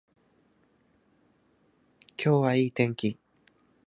今日はいい天気